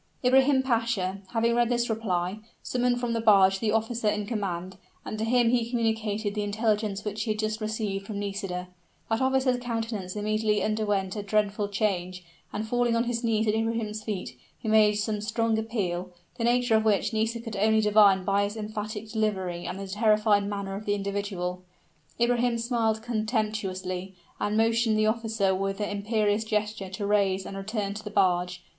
Ibrahim Pasha, having read this reply, summoned from the barge the officer in command: and to him he communicated the intelligence which he had just received from Nisida. That officer's countenance immediately underwent a dreadful change; and, falling on his knees at Ibrahim's feet, he made some strong appeal, the nature of which Nisida could only divine by its emphatic delivery and the terrified manner of the individual. Ibrahim smiled contemptuously, and motioned the officer with an imperious gesture to rise and return to the barge.